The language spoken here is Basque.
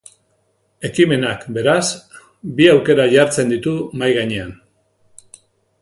Ekimenak, beraz, bi aukera jartzen ditu mahai gainean.